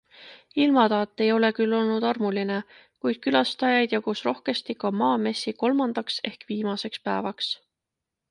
Ilmataat ei ole küll olnud armuline, kuid külastajaid jagus rohkesti ka Maamessi kolmandaks ehk viimaseks päevaks.